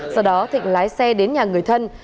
sau đó thỉnh lái xe đến nhà người thân